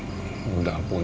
anak udah besar